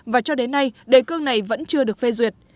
và cho đến nay đề cương này vẫn chưa được phê duyệt